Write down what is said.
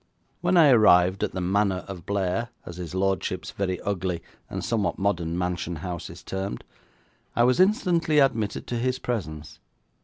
When I arrived at the Manor of Blair, as his lordship's very ugly and somewhat modern mansion house is termed, I was instantly admitted to his presence.